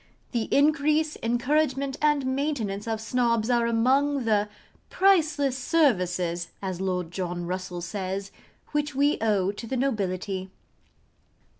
The increase, encouragement, and maintenance of Snobs are among the 'priceless services,' as Lord John Russell says, which we owe to the nobility.